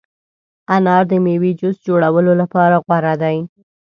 انار د مېوې جوس جوړولو لپاره غوره دی.